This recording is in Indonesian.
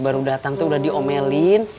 baru datang tuh udah diomelin